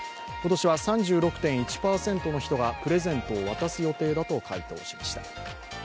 今年は３６．１％の人がプレゼントを渡す予定だと回答しました。